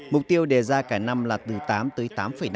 mục tiêu đề ra cả năm là từ tám tới tám năm